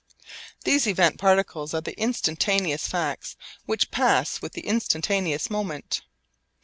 These event particles are the instantaneous facts which pass with the instantaneous moment.